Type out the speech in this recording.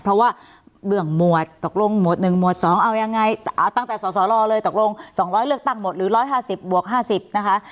เพราะว่าเรื่องหมวดตกลงหมวดหนึ่งหมวดสองเอายังไงเอาตั้งแต่สสลเลยตกลงสองร้อยเลือกตั้งหมดหรือร้อยห้าสิบบวกห้าสิบนะคะ